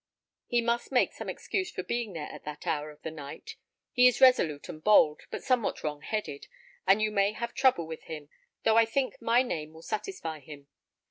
He must make some excuse for being there at that hour of the night. He is resolute and bold, but somewhat wrong headed, and you may have trouble with him, though I think my name will satisfy him.